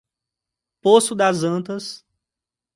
Poço das Antas